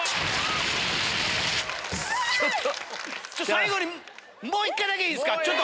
最後にもう１回だけいいっすか？